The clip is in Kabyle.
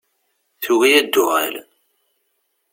Tugi ad d-tuɣal.